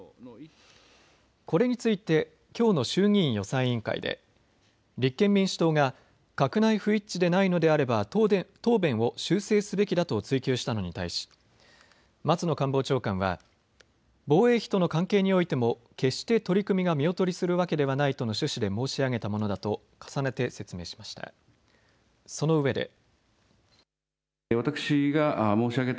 これについてきょうの衆議院予算委員会で立憲民主党が閣内不一致でないのであれば答弁を修正すべきだと追及したのに対し松野官房長官は防衛費との関係においても決して取り組みが見劣りするわけではないとの趣旨で申し上げたものだと重ねて説明しました。